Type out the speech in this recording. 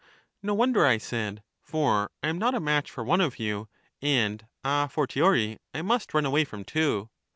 No wonder, I said, for I am not a match for one of you, and a fortiori I must run away from two.